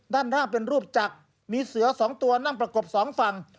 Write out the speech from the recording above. ด้านหน้าเป็นรูปจักรมีเสือสองตัวนั่งประกบสองฝั่ง